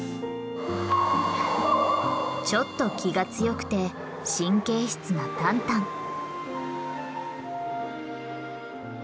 ちょっと気が強くて神経質なタンタン。